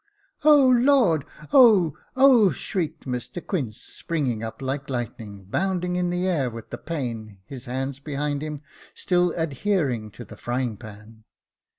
. "Oh, Lord! oh! oh!" shrieked Mr Quince, springing up like lightning, bounding in the air with the pain, his hands behind him still adhering to the frying pan.